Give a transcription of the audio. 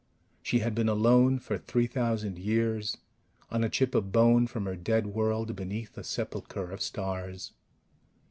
She had been alone for three thousand years, on a chip of bone from her dead world beneath a sepulchre of stars.